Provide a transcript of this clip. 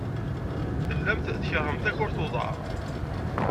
Tellamt tkeṛhemt takurt n uḍar.